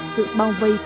sự bao vây cấm lệ